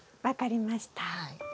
分かりました。